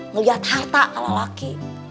ngeliat harta lelaki